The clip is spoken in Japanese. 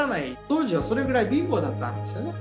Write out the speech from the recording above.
当時はそれぐらい貧乏だったんですよね。